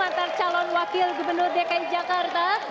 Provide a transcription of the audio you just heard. antar calon wakil gubernur dki jakarta